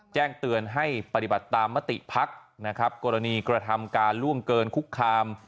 แจ้งเตือนให้ปฏิบัติตามมติภักดิ์นะครับกรณีกระทำการล่วงเกินคุกคาม